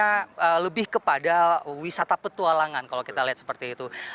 karena lebih kepada wisata petualangan kalau kita lihat seperti itu